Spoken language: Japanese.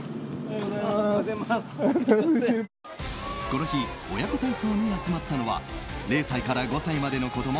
この日親子体操に集まったのは０歳から５歳までの子供